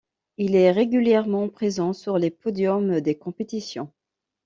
Il est régulièrement présent sur les podiums des compétitions.